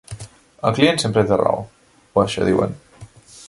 El client sempre té raó, o això diuen.